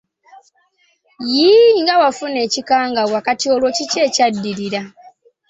Yii nga wafuna ekikangabwa, kati olwo kiki ekyadirira?